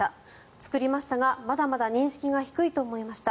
作りましたがまだまだ認識が低いと思いました